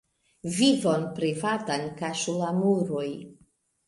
Vivon privatan kaŝu la muroj.